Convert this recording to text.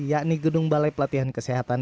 yakni gedung balai pelatihan kesehatan